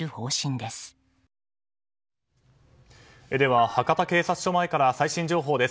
では、博多警察署前から最新情報です。